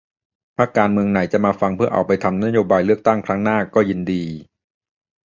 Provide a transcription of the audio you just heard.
พรรคการเมืองไหนจะมาฟังเพื่อเอาไปทำนโยบายเลือกตั้งครั้งหน้าก็ยินดี